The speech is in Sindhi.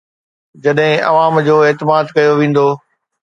جڏهن عوام جو اعتماد ڪيو ويندو.